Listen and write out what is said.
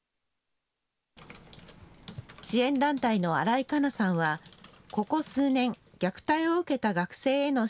支援団体の新井香奈さんはここ数年、虐待を受けた学生への